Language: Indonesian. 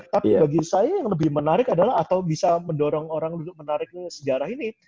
tapi bagi saya yang lebih menarik adalah atau bisa mendorong orang untuk menarik sejarah ini